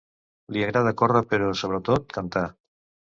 Li agrada córrer però, sobretot, cantar.